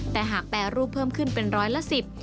แต่หากแปรรูปเพิ่มขึ้นเป็นร้อยละสิบ